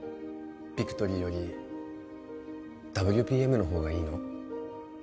ビクトリーよりＷＰＭの方がいいの？